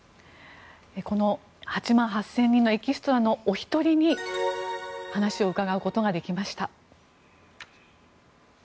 この８万８０００人のエキストラのお一人に話を伺うことができました。